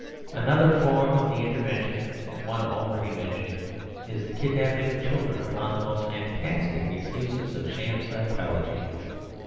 Another form of the intervention, and one already mentioned, is the kidnapping of children upon the most fantastic excuses of sham psychology.